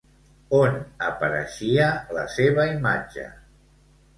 On apareixia la seva imatge?